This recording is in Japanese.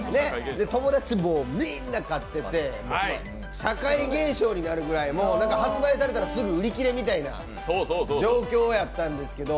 友達みんな買ってて、社会現象になるくらい発売されたら、すぐ売り切れみたいな状況やったんですけど